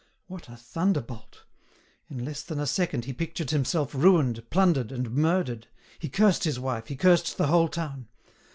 What a thunderbolt! In less than a second he pictured himself ruined, plundered, and murdered; he cursed his wife, he cursed the whole town.